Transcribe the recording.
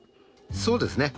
そうですね。